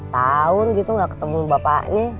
sepuluh tahun gitu gak ketemu bapaknya